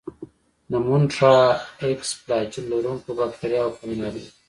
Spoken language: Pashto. د مونټرایکس فلاجیل لرونکو باکتریاوو په نوم یادیږي.